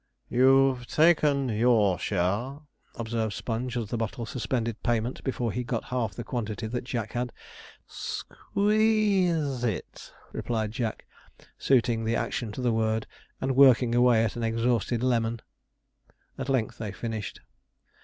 'You've taken your share,' observed Sponge, as the bottle suspended payment before he got half the quantity that Jack had. 'Sque ee eze it,' replied Jack, suiting the action to the word, and working away at an exhausted lemon. At length they finished.